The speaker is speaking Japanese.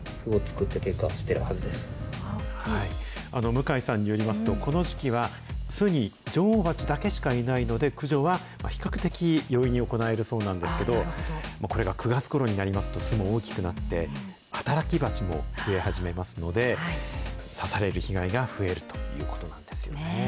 むかいさんによりますと、この時期は、巣に女王蜂だけしかいないので、駆除は比較的容易に行えるそうなんですけど、これが９月ごろになりますと、巣も大きくなって、働き蜂も増え始めますので、刺される被害が増えるということなんですよね。